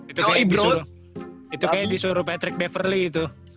itu kayaknya disuruh patrick beverly gitu